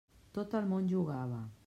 Tot el món jugava.